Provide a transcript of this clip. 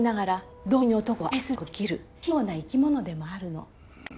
器用な生き物でもあるの。